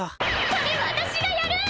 それ私がやる！